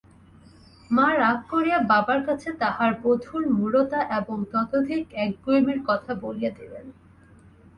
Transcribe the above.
মা রাগ করিয়া বাবার কাছে তাঁহার বধূর মূঢ়তা এবং ততোধিক একগুঁয়েমির কথা বলিয়া দিলেন।